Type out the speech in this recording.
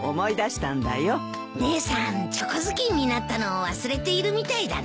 姉さんチョコ頭巾になったのを忘れているみたいだね。